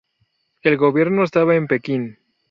El gobierno estaba en Pekín.